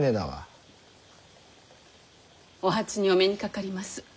お初にお目にかかります。